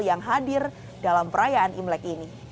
yang hadir dalam perayaan imlek ini